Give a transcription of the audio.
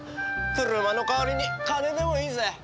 車の代わりに金でもいいぜ。